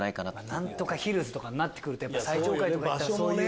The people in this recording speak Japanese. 何とかヒルズになって来ると最上階とか行ったらそういう。